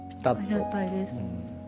ありがたいです。